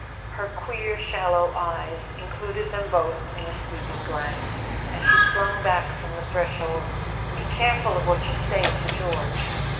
Her queer shallow eyes included them both in a sweeping glance, and she flung back from the threshold: "Be careful of what you say to George."